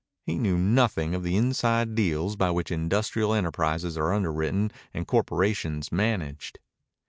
He knew nothing of the inside deals by which industrial enterprises are underwritten and corporations managed.